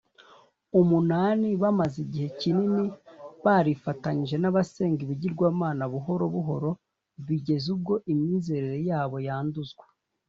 viii. . Bamaze igihe kinini barifatanije n’abasenga ibigirwamana, buhoro buhoro bigeza ubwo imyizerere yabo yanduzwa